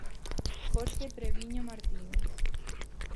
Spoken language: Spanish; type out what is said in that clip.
Jorge Treviño Martínez.